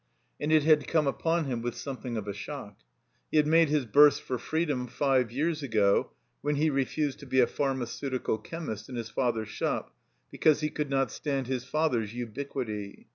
And it had come upon him with something of a shock. He had made his burst for freedom five years ago, when he refused to be a Pharmaceutical Chemist in his father's shop, because he could not stand his father's ubiquity.